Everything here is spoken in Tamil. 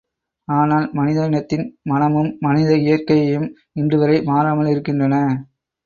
ஆனால், மனித இனத்தின் மனமும் மனித இயற்கையும் இன்றுவரை மாறாமல் இருக்கின்றன.